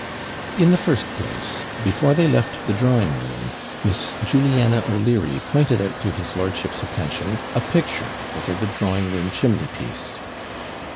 In the first place, before they left the drawing room, Miss Juliana O'Leary pointed out to his lordship's attention a picture over the drawing room chimney piece.